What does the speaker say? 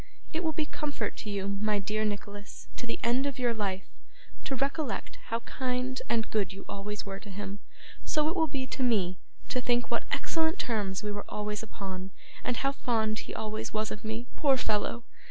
It will be comfort to you, my dear Nicholas, to the end of your life, to recollect how kind and good you always were to him so it will be to me, to think what excellent terms we were always upon, and how fond he always was of me, poor fellow!